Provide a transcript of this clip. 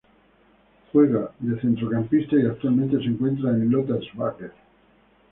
Juega de centrocampista y actualmente se encuentra en Lota Schwager.